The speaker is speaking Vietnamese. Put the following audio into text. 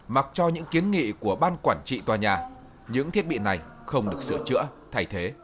mặc cho những kiến nghị của ban quản trị tòa nhà những thiết bị này không được sửa chữa thay thế